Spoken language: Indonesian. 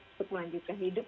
untuk melanjutkan hidup